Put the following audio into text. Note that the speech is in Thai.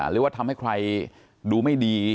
หรือว่าทำให้ใครดูไม่ดี